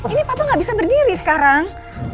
ini papa nggak bisa berdiri sekarang